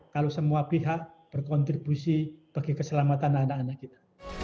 kalau semua pihak berkontribusi bagi keselamatan anak anak kita